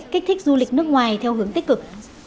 kích thích du lịch nước ngoài theo hướng tích cực